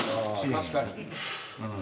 確かに。